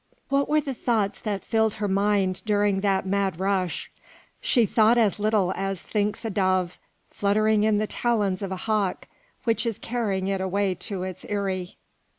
What were the thoughts that filled her mind during that mad rush? She thought as little as thinks a dove, fluttering in the talons of a hawk which is carrying it away to its eyrie.